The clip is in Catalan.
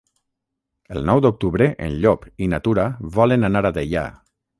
El nou d'octubre en Llop i na Tura volen anar a Deià.